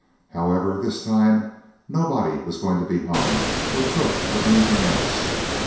However, this time nobody was going to be hung or took or anything else.